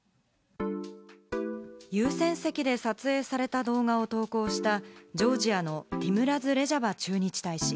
優先席で撮影された動画を投稿した、ジョージアのティムラズ・レジャバ駐日大使。